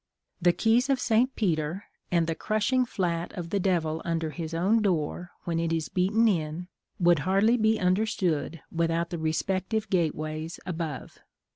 The keys of St. Peter, and the crushing flat of the devil under his own door, when it is beaten in, would hardly be understood without the respective gate ways above.